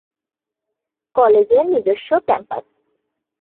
কলেজের নিজস্ব ক্যাম্পাস।